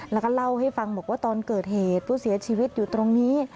แล้วก็เล่าให้ฟังบอกว่าตอนเกิดเหตุผู้เสียชีวิตอยู่ตรงนี้